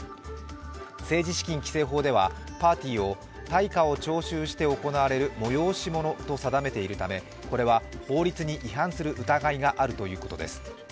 政治資金規正法ではパーティーを対価を徴収して行われる催し物と定めているためこれは法律に違反する疑いがあるということです。